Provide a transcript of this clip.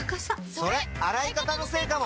それ洗い方のせいかも！